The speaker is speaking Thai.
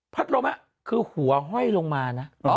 พัดลมน่ะคือหัวห่อยลงมานะ